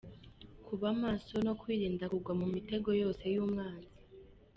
– Kuba maso no kwirinda kugwa mu mitego yose y’umwanzi;